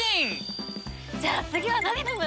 じゃあ次は何飲む？